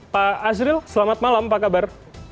pak azril selamat malam apa kabar